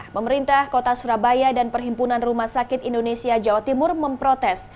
pemerintah kota surabaya dan perhimpunan rumah sakit indonesia jawa timur memprotes